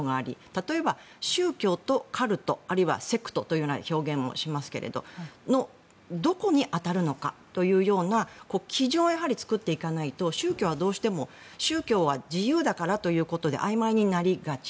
例えば宗教とカルトあるいはセクトというような表現をしますがそのどこに当たるのかというような基準を作っていかないと宗教はどうしても宗教は自由だからということであいまいになりがち。